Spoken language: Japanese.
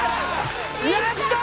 やったー！